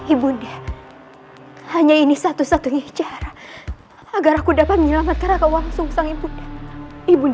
ibunya hanya ini satu satunya cara agar aku dapat menyelamatkan aku langsung sang ibunya ibu